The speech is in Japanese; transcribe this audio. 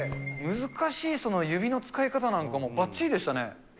難しい指の使い方なんかもばっちりでしたね。